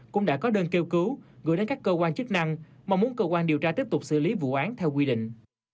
cũng đã có đơn kêu cứu gửi đến các cơ quan chức năng mong muốn cơ quan điều tra tiếp tục xử lý vụ án theo quy định